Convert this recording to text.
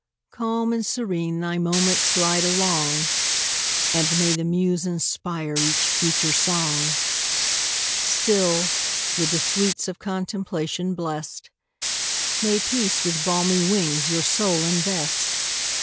Calm and serene thy moments glide along, And may the muse inspire each future song! Still, with the sweets of contemplation bless'd, May peace with balmy wings your soul invest!